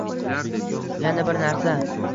Yana bir narsa